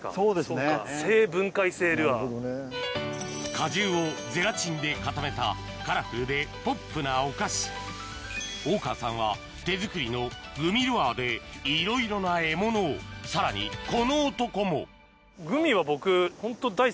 果汁をゼラチンで固めたカラフルでポップなお菓子大川さんは手作りのグミルアーでいろいろな獲物をさらにこの男も特に。